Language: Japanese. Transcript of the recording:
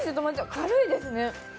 軽いですね。